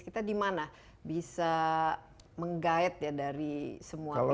kita di mana bisa meng guide dari semua pihak ini